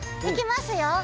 いきますよ！